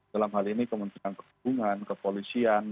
dalam hal ini kementerian perhubungan kepolisian